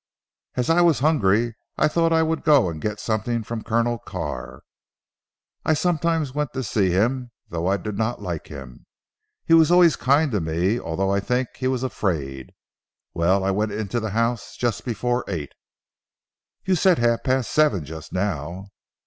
"As I was hungry I thought I would go and get something from Colonel Carr. I sometimes went to see him, though I did not like him. He was always kind to me, although I think he was afraid. Well I went into the house just before eight." "You said half past seven just now."